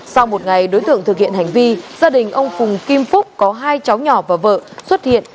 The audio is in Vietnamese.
sau một ngày đối tượng thực hiện hành vi gia đình ông phùng kim phúc có hai cháu nhỏ và vợ xuất hiện